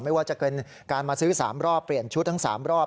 ไม่ว่าจะเป็นการมาซื้อ๓รอบเปลี่ยนชุดทั้ง๓รอบ